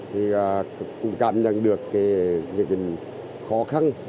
thì cũng cảm nhận được những khó khăn